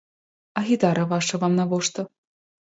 А гітара ваша вам навошта?